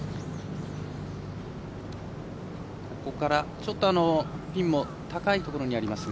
ちょっとピンも高いところにありますが。